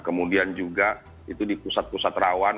kemudian juga itu di pusat pusat rawan